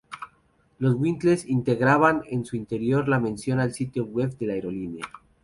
Los winglets integraban en su interior la mención al sitio web de la aerolínea.